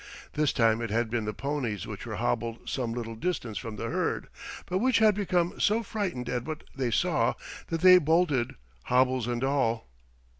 This time it had been the ponies which were hobbled some little distance from the herd, but which had become so frightened at what they saw that they bolted, hobbles and all.